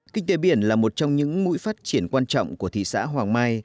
kinh tế biển là một trong những mũi phát triển quan trọng của thị xã hoàng mai